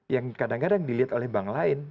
yang kadang kadang dilihat oleh bank lain